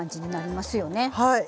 はい。